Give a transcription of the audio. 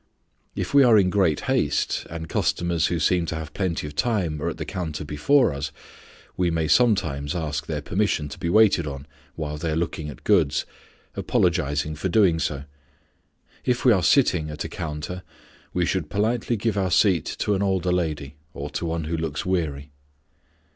If we are in great haste, and customers who seem to have plenty of time are at the counter before us, we may sometimes ask their permission to be waited on while they are looking at goods, apologizing for doing so. If we are sitting at a counter, we should politely give our seat to an older lady, or to one who looks weary.